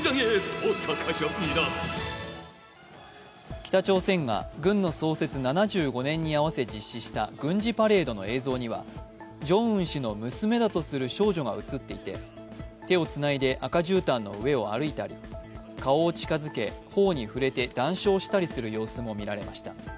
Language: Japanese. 北朝鮮が軍の創設７５年に合わせ実施した軍事パレードの映像にはジョンウン氏の娘だとする少女が映っていて手をつないで赤じゅうたんの上を歩いたり、顔を近づけ、頬に触れて談笑したりする様子も見られました。